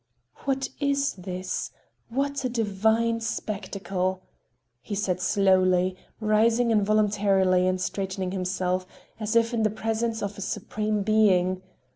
"What is this? What a divine spectacle!" he said slowly, rising involuntarily and straightening himself, as if in the presence of a supreme being.